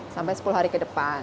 sampai sepuluh hari ke depan